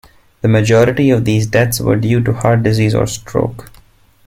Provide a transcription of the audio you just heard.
The majority of these deaths were due to heart disease or stroke.